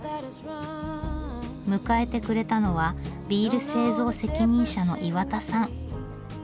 迎えてくれたのはビール製造責任者の岩田さん。